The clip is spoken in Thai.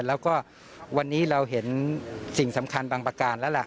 แล้วก็วันนี้เราเห็นสิ่งสำคัญบางประการแล้วล่ะ